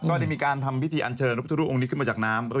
ก็ได้มีการทำพิธีอันเชิญพระพุทธรูปองค์นี้ขึ้นมาจากน้ำ